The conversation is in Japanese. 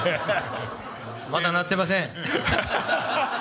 まだなってません。